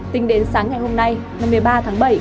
tính đến sáng ngày hôm nay năm mươi ba tháng bảy